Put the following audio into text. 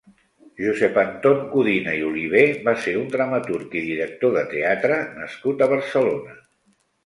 Josep Anton Codina i Olivé va ser un dramaturg i director de teatre nascut a Barcelona.